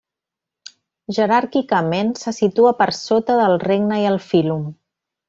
Jeràrquicament se situa per sota del regne i el fílum.